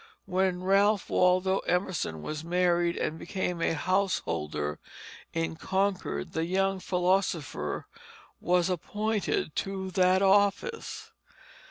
When Ralph Waldo Emerson was married and became a householder in Concord, the young philosopher was appointed to that office.